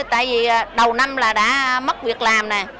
tại vì đầu năm là đã mất việc làm